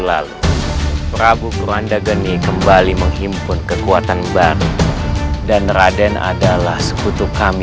lalu prabu keranda geni kembali menghimpun kekuatan baru dan raden adalah sekutu kami